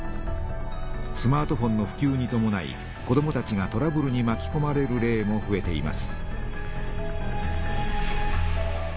スマートフォンのふきゅうにともない子どもたちがトラブルにまきこまれる例もふえています。